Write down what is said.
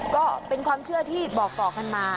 ก็เป็นความเชื่อที่บอกต่อกันมา